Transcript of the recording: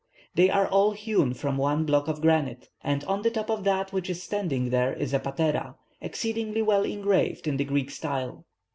They are all hewn from one block of granite, and on the top of that which is standing there is a patera, exceedingly well engraved in the Greek style.